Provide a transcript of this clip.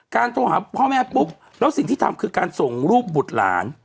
โทรหาพ่อแม่ปุ๊บแล้วสิ่งที่ทำคือการส่งรูปบุตรหลาน